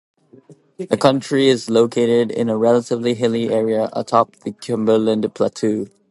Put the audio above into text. The county is located in a relatively hilly area atop the Cumberland Plateau.